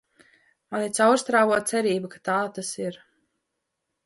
Mani caurstrāvo cerība, ka tā tas ir.